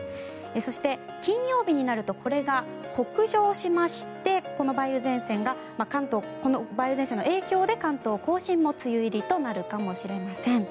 そして、金曜日になるとこれが北上しましてこの梅雨前線の影響で関東・甲信も梅雨入りとなるかもしれません。